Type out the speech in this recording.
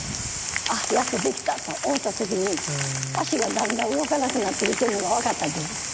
ああやっと出来たと思った時に足がだんだん動かなくなってきてるのが分かったんです。